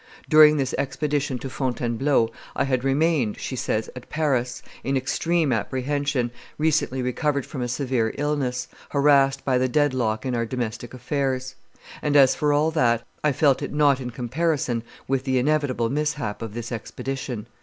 "During this expedition to Fontainebleau, I had remained," she says, "at Paris, in extreme apprehension, recently recovered from a severe illness, harassed by the deadlock in our domestic affairs. And, as for all that, I felt it not in comparison with the inevitable mishap of this expedition.